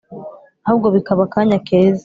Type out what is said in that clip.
ahubwo bikaba akanya keza